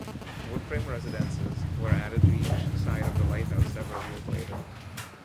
Wood-frame residences were added to each side of the lighthouse several years later.